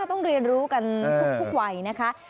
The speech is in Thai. ต้องเรียนรู้กันทุกวัยนะคะ